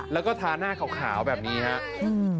แล้วก็ทาหน้าขาวแบบนี้ครับ